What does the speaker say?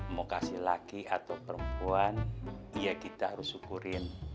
mau kasih laki atau perempuan ya kita harus syukurin